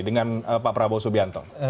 dengan pak prabowo subianto